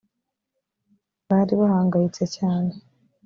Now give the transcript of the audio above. bari bahangayitse cyane